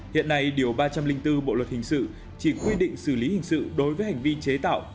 hiện nay điều ba trăm linh bốn bộ luật hình sự chỉ quy định xử lý hình sự đối với hành vi chế tạo